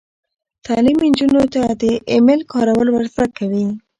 تعلیم نجونو ته د ای میل کارول ور زده کوي.